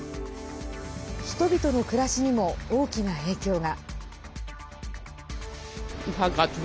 人々の暮らしにも大きな影響が。